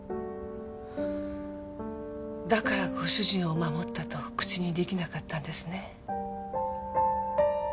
だからご主人を守ったと口に出来なかったんですね。